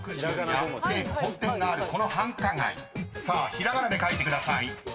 ［ひらがなで書いてください］